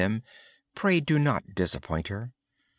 Please do not disappoint her.